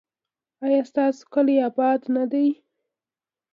ایا ستاسو کلی اباد نه دی؟